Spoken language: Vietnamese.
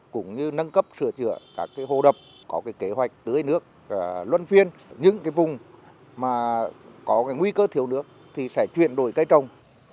cũng như nâng cấp sửa chữa các hồ đập có kế hoạch tưới nước luân phiên những vùng mà có nguy cơ thiếu nước thì sẽ chuyển đổi cây trồng